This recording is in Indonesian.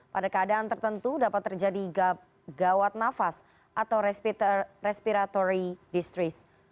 pada keadaan tertentu dapat terjadi gawat nafas atau respiratory distres